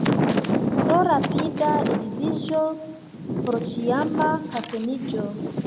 Tro rapida edziĝo — porĉiama kateniĝo.